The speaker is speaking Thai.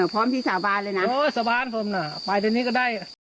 พร้อมที่สระบานเลยนะสระบานผมน่ะไปด้วยนี้ก็ได้